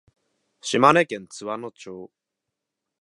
島根県津和野町